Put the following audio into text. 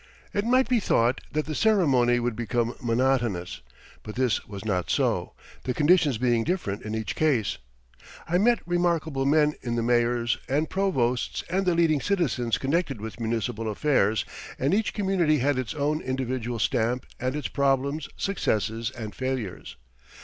It might be thought that the ceremony would become monotonous, but this was not so, the conditions being different in each case. I met remarkable men in the mayors and provosts and the leading citizens connected with municipal affairs, and each community had its own individual stamp and its problems, successes, and failures.